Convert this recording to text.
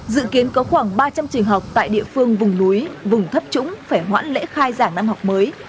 dự kiến có khoảng ba trăm linh trường học tại địa phương vùng núi vùng thấp trũng phải hoãn lễ khai giảng năm học mới